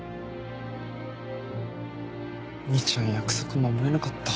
兄ちゃん約束守れなかった。